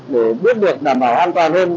để biết được đảm bảo an toàn hơn